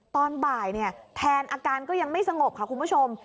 ตอนบ่ายแทนอาการก็ยังไม่สงบค่ะคุณผู้ชม